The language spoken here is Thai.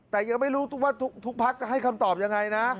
แต่ยังไม่รู้ว่าทุกพักจะให้คำตอบยังไงนะ